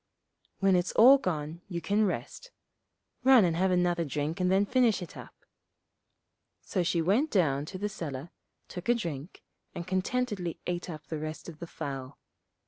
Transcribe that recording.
When it's all gone you can rest; run and have another drink and then finish it up.' So she went down to the cellar, took a good drink, and contentedly ate up the rest of the fowl.